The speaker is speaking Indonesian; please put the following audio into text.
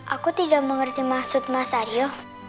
aku tidak mengerti maksud mas aryo